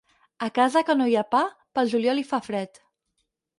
A casa que no hi ha pa, pel juliol hi fa fred.